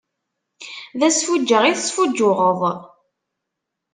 D asfuǧǧeɣ i tesfuǧǧuɣeḍ.